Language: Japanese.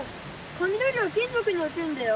雷は金ぞくに落ちるんだよ。